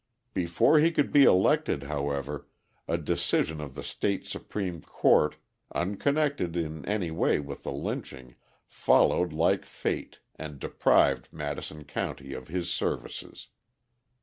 Before he could be elected, however, a decision of the State Supreme Court, unconnected in any way with the lynching, followed like fate, and deprived Madison County of his services.